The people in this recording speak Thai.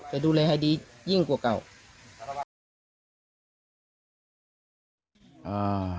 จะดูแลให้ดียิ่งกว่าเก่าอ่า